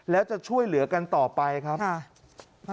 แล้วจะช่วยเหลือกันต่อไปครับ